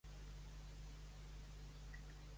Un repte ideal per als exhibicionistes de la loquacitat.